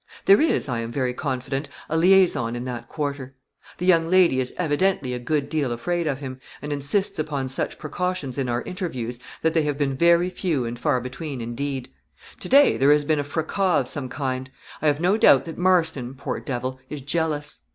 There is, I am very confident, a liaison in that quarter. The young lady is evidently a good deal afraid of him, and insists upon such precautions in our interviews, that they have been very few, and far between, indeed. Today, there has been a fracas of some kind. I have no doubt that Marston, poor devil, is jealous.